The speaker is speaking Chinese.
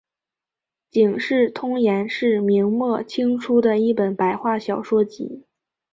警世通言是明末清初的一本白话小说集。